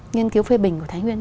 nghiên cứu phê bình của thái nguyên